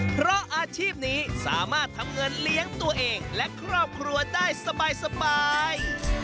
เพราะอาชีพนี้สามารถทำเงินเลี้ยงตัวเองและครอบครัวได้สบาย